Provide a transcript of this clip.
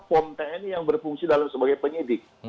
pom tni yang berfungsi sebagai penyidik